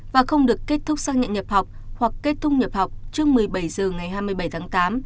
và không được kết thúc xác nhận nhập học hoặc kết thúc nhập học trước một mươi bảy h ngày hai mươi bảy tháng tám